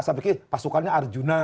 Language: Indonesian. saya pikir pasukannya arjuna